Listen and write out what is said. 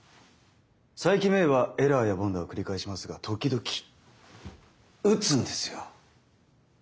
佐伯芽依はエラーや凡打を繰り返しますが時々打つんですよ。